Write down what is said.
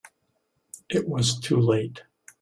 It was too late.